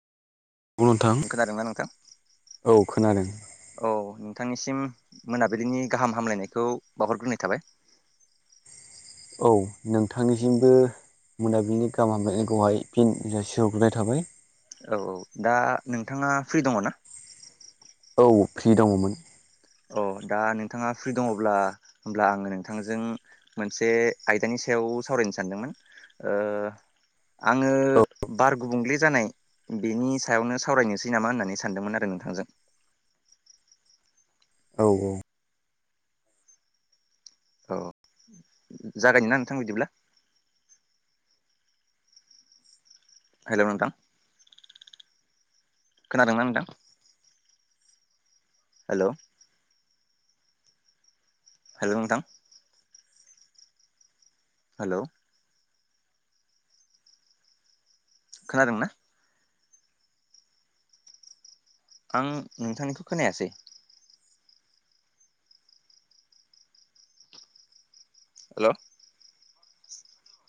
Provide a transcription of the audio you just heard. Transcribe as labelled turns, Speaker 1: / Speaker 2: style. Speaker 1: औ नोंथां
Speaker 2: खोनादोंना नोंथां?
Speaker 1: औ खोनादों
Speaker 2: औ नोंथांनिसिम मोनाबिलिनि गाहाम हामलायनायखौ बावहरग्रोनाय थाबाय
Speaker 1: औ नोंथांनिसिमबो मोनाबिलि गाहाम हामब्लायनायखौहाय फिन जासिहरग्रोनाय थाबाय
Speaker 2: औ औ दा नोंथाङा फ्रि दङ ना?
Speaker 1: औ फ्रि दङमोन
Speaker 2: अ दा नोंथाङा फ्रि दङब्ला होमब्ला आङो नोंथांजों मोनसे आयदानि सायाव सावरायनो सानदोंमोन ओ आङो
Speaker 1: औ
Speaker 2: बार गुबुंले जानाय बेनि सायावनो सावरायनोसै नामा होननानै सानदोंमोन आरो नोंथांजों
Speaker 1: औ औ
Speaker 2: औ जागायनोना नोंथां बिदिब्ला हेलौ नोंथां खोनादोंना नोंथां? हेलौ हेलौ नोंथां हेलौ खोनादों ना? आं नोंथांनिखौ खोनायासै हेलौ